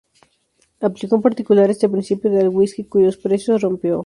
Aplicó, en particular, este principio al whisky, cuyos precios rompió.